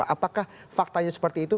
apakah faktanya seperti itu